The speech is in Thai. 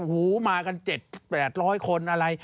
เฮ้อมากัน๗๐๐๘๐๐คนอะไร